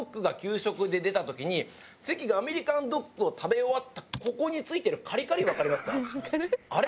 関がアメリカンドッグを食べ終わったここについてるカリカリわかりますか？